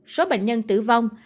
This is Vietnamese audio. số bệnh nhân tử vong